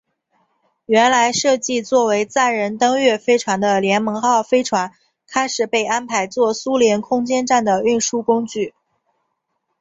原来设计做为载人登月飞船的联盟号飞船开始被安排做苏联空间站的运输工具。